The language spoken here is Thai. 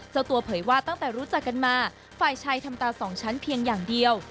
เจ้าตัวเผยว่าตั้งแต่รู้จักกันมาฝ่ายชายทำตาสองชั้นเพียงอย่างเดียว